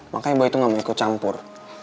makanya boy itu nggak mau ikut campur